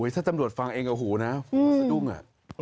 ถ้าตำรวจฟังเองกับหูนะหัวสะดุ้งอ่ะ